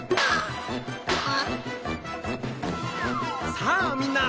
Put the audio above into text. さぁみんな！